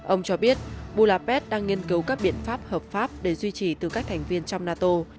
ông cho biết bula ped đang nghiên cứu các biện pháp hợp pháp để duy trì tư cách thành viên trong nato